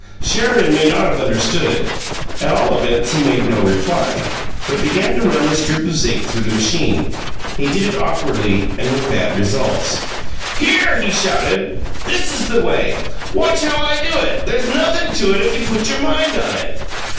Sheridan may not have understood. At all events, he made no reply, but began to run the strip of zinc through the machine. He did it awkwardly and with bad results. "Here!" he shouted. "This is the way. Watch how I do it. There's nothin' to it, if you put your mind on it."